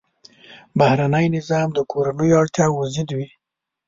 بهرنی نظام د کورنیو اړتیاوو ضد وي.